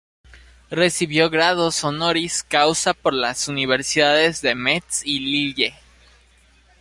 Recibió grados honoris causa por las Universidades de Metz y Lille.